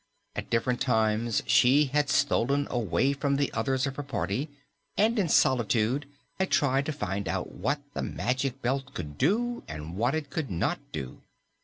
At different times she had stolen away from the others of her party and in solitude had tried to find out what the Magic Belt could do and what it could not do.